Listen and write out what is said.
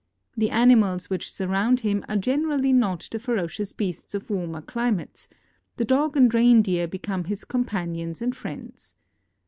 The animals which surround him are generally not the ferocious beasts of warmer climates ; the dog and reindeer become his companions and friends.